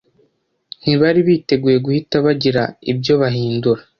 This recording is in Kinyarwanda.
ntibari biteguye guhita bagira ibyo bahindura